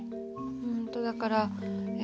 うんとだからえ